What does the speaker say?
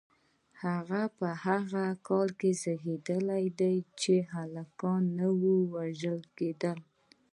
هغه په هغه کال کې زیږیدلی و چې هلکان نه وژل کېدل.